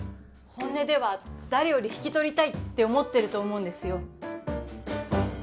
本音では誰より引き取りたいって思ってると思うんですよ